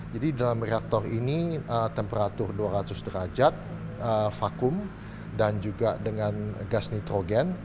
jadi dalam reaktor ini temperatur dua ratus derajat vakum dan juga dengan gas nitrogen